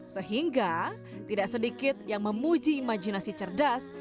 sehingga tidak sedikit yang memuji imajinasi cerdas